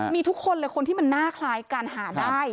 มีทุกคนเลยคนที่มันหน้าคล้ายกันหาได้